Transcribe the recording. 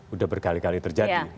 udah berkali kali terjadi